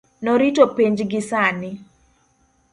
norito penj gi sani